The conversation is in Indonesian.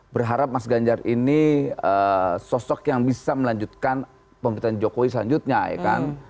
berharap mas ganjar ini sosok yang bisa melanjutkan pemerintahan jokowi selanjutnya ya kan